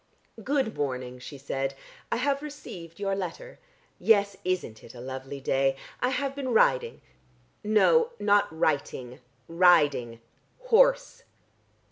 "Good morning," she said. "I have received your letter. Yes, isn't it a lovely day? I have been riding. No, not writing. Riding. Horse.